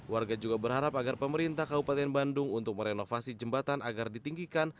warga juga berharap agar pemerintah kabupaten bandung untuk merenovasi jembatan agar ditinggikan